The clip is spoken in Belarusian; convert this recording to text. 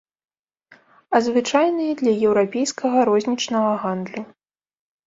А звычайныя для еўрапейскага рознічнага гандлю.